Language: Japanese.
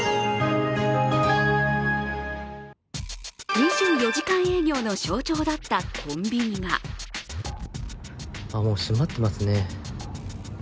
２４時間営業の象徴だったコンビニがもう閉まってますね。